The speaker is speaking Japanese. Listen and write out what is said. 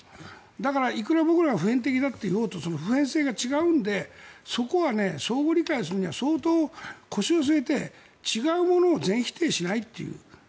だからいくら僕らが普遍的だと言っても普遍性が違うのでそこは相互理解するには相当、腰を据えて違うものを全否定しないという。